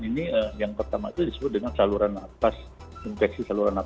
kan ini yang pertama itu disebut dengan saluran napas infeksi saluran napas